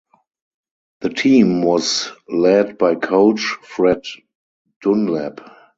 The team was led by coach Fred Dunlap.